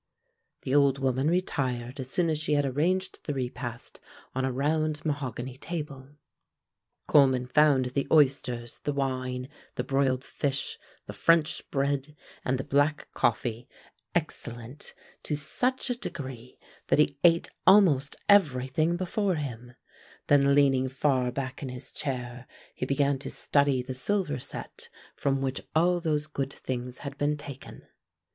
The old woman retired as soon as she had arranged the repast on a round mahogany table. Coleman found the oysters, the wine, the broiled fish, the French bread, and the black coffee excellent to such a degree that he ate almost everything before him; then leaning far back in his chair he began to study the silver set from which all those good things had been taken.